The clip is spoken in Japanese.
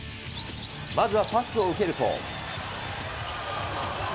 まずはパスを受けると。